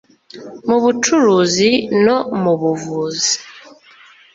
mu bucuruzi no mu buvuzi